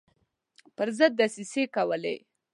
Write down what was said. پر ضد دسیسې کولې.